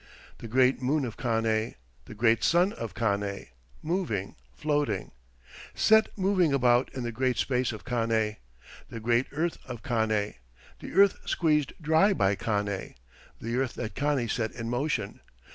The great Moon of Kane, The great Sun of Kane Moving, floating, Set moving about in the great space of Kane. The Great Earth of Kane, The Earth squeezed dry by Kane, The Earth that Kane set in motion.